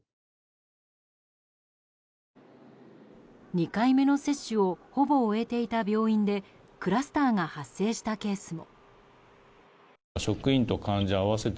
２回目の接種をほぼ終えていた病院でクラスターが発生したケースも。